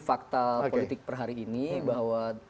fakta politik per hari ini bahwa